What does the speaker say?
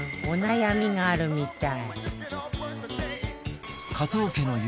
お悩みがあるみたい